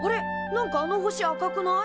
なんかあの星赤くない？